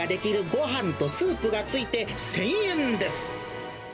ごはんとスープが付いて１０００円です。